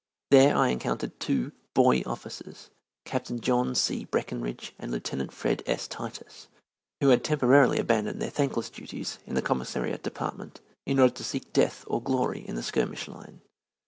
There I encountered two "boy officers," Captain John C. Breckenridge and Lieutenant Fred. S. Titus, who had temporarily abandoned their thankless duties in the Commissariat Department in order to seek death or glory in the skirmish line.